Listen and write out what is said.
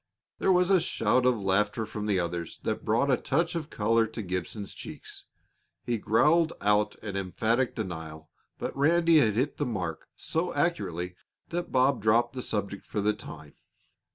There was a shout of laughter from the others that brought a touch of color to Gibson's cheeks. He growled out an emphatic denial, but Ranny had hit the mark so accurately that Bob dropped the subject for the time.